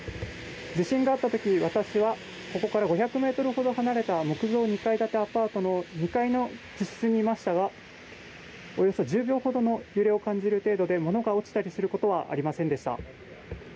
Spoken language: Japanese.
地震があったとき私はここから５００メートルほど離れた木造２階建てアパートの２階の自室にいましたがおよそ１０秒ほどの揺れを感じる程度で物が落ちたりすることはありませんでした。